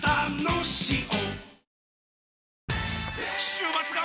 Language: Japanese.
週末が！！